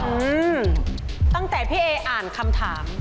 อืมตั้งแต่พี่เออ่านคำถาม